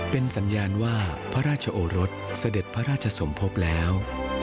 เป็นสัญญาณว่าพระราชโอรสเสด็จพระราชสมภพแล้ว